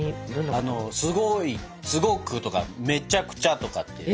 あのすごいすごくとかめちゃくちゃとかって。